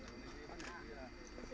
thầy tào đọc một bài hát